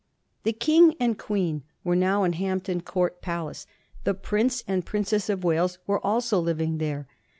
The King and Queen were now in Hampton Court Pal ace ; the Prince and Princess of Wales were also living there.